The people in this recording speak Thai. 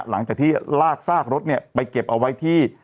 หลังจากที่ลากซากรถไปเก็บเอาไว้ที่